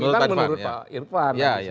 menurut pak irfan